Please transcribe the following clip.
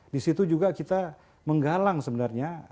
di situ juga kita menggalang sebenarnya